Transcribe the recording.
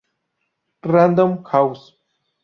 Random House.